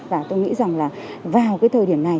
và tôi nghĩ rằng là vào cái thời điểm này